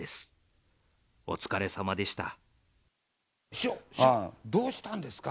師匠、師匠、どうしたんですか？